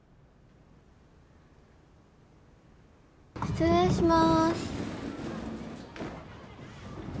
失礼します。